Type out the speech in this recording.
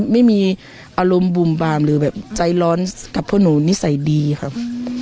ไม่มีอารมณ์บุ่มบามหรือแบบใจร้อนกับพวกหนูนิสัยดีครับ